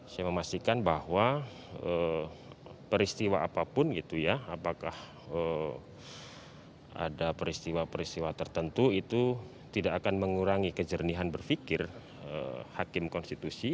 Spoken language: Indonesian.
saya memastikan bahwa peristiwa apapun gitu ya apakah ada peristiwa peristiwa tertentu itu tidak akan mengurangi kejernihan berpikir hakim konstitusi